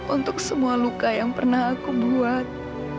untuk semua luka yang pernah aku buat